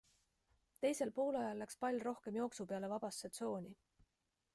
Teisel poolajal läks pall rohkem jooksu peale vabasse tsooni.